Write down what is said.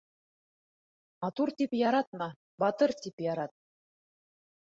Матур тип яратма, батыр тип ярат.